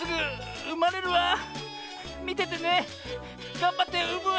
がんばってうむわ。